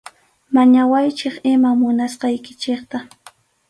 Mañawaychik iman munasqaykichikta.